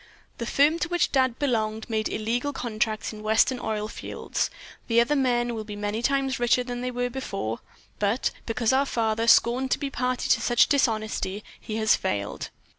"The firm to which Dad belonged made illegal contracts in western oil fields. The other men will be many times richer than they were before, but, because our father scorned to be a party to such dishonesty, he has failed.